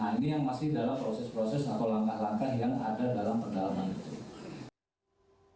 nah ini yang masih dalam proses proses atau langkah langkah yang ada dalam pendalaman itu